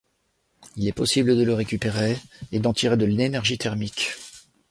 Il est possible de le récupérer et d'en tirer de l'énergie thermique.